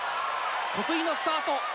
得意のスタート。